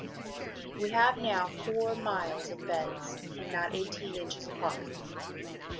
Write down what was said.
We have now four miles of Beds, and not eighteen inches apart.